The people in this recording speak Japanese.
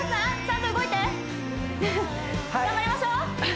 頑張りましょう！